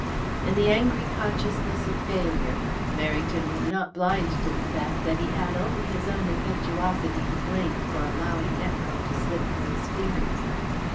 In the angry consciousness of failure, Merrington was not blind to the fact that he had only his own impetuosity to blame for allowing Nepcote to slip through his fingers.